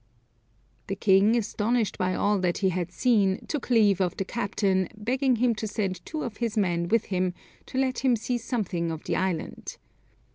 '" The king, astonished by all that he had seen, took leave of the captain, begging him to send two of his men with him, to let them see something of the island.